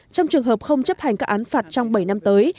trong trường hợp không chấp hành các án phạt trong bảy năm tới